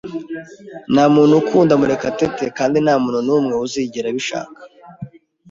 Ntamuntu ukunda Murekatete kandi ntamuntu numwe uzigera abishaka.